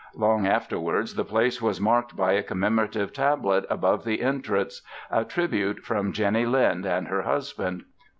Long afterwards the place was marked by a commemorative tablet above the entrance, a tribute from Jenny Lind and her husband.